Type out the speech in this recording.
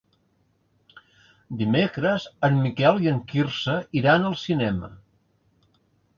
Dimecres en Miquel i en Quirze iran al cinema.